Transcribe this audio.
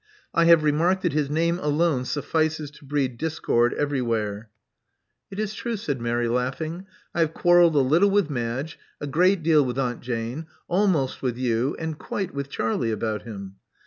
I have remarked that his name alone suffices to breed discord everywhere." It is true," said Mary, laughing. I have quar relled a little with Madge, a great deal with Aunt Jane, almost with you, and quite with Charlie about him."